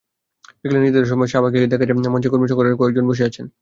বিকেলে নির্ধারিত সময়ে শাহবাগে গিয়ে দেখা যায়, মঞ্চের কর্মী-সংগঠকেরা কয়েকজন বসে আছেন।